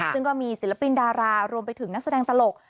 ซึ่งก็มีศิลปินดารารวมไปถึงนักแสดงตลก